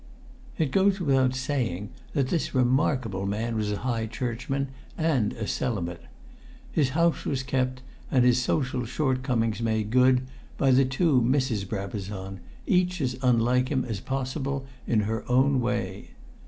It goes without saying that this remarkable man was a High Churchman and a celibate. His house was kept, and his social short comings made good, by two Misses Brabazon, each as unlike him as possible in her own way.